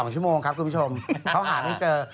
๒ชั่วโมงครับคุณผู้ชม